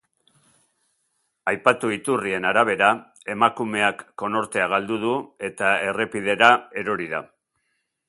Aipatu iturrien arabera, emakumeak konortea galdu du eta errepidera erori da.